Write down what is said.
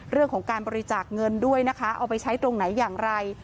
เรื่องของการบริจาคเงินด้วยนะคะเอาไปใช้ตรงไหนอย่างไร